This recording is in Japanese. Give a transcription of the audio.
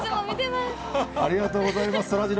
ありがとうございます。